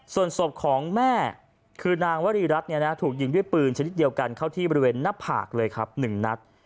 ส่วนศพของแม่คือนางวรีรัฐถูกยิงด้วยปืนชนิดเดียวกันเข้าที่บริเวณหน้าผากเลยครับ๑นัด